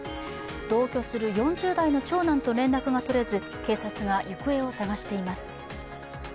同居する４０代の長男と連絡が取れず、警察が行方を捜しています。